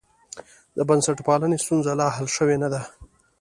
د بنسټپالنې ستونزه لا حل شوې نه ده.